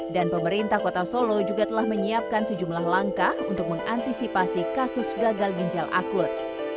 dan pemerintah kota solo juga telah menyiapkan sejumlah langkah untuk mengantisipasi kasus gagal ginjal akut